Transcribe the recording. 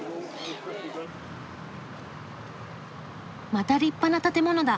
また立派な建物だ。